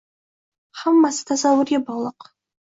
Hammasi tasavvurga bog‘liq.